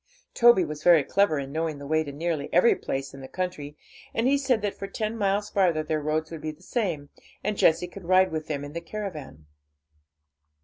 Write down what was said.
Toby was very clever in knowing the way to nearly every place in the country, and he said that for ten miles farther their roads would be the same, and Jessie could ride with them in the caravan.